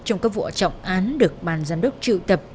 trong các vụ trọng án được bàn giám đốc trự tập